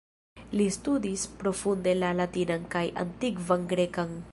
Li studis profunde la latinan kaj antikvan grekan.